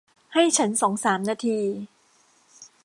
ให้ฉันสองสามนาที